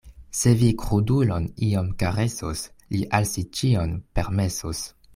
Se vi krudulon iom karesos, li al si ĉion permesos.